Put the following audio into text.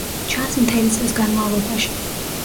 ჩანს მთელი წლის განმავლობაში.